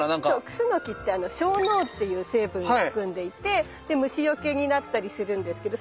クスノキって樟脳っていう成分を含んでいて虫よけになったりするんですけど